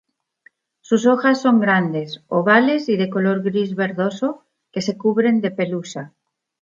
Sus hojas son grandes, ovales y de color gris-verdoso que se cubren de pelusa.